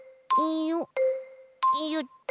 よっと。